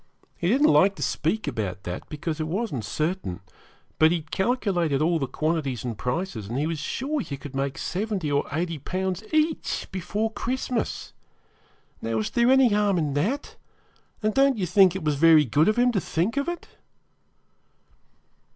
He didn't like to speak about that, because it wasn't certain; but he had calculated all the quantities and prices, and he was sure you would make 70 or 80 Pounds each before Christmas. Now, was there any harm in that; and don't you think it was very good of him to think of it?'